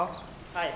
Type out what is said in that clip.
はい。